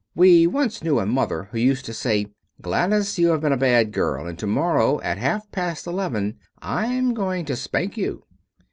We once knew a mother who used to say, "Gladys, you have been a bad girl, and so to morrow at half past eleven I'm going to spank you."